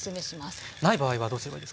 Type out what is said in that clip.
ない場合はどうすればいいですか？